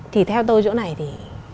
thì theo tôi chỗ này thì